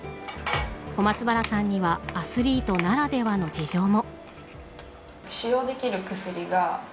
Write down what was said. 小松原さんにはアスリートならではの事情も。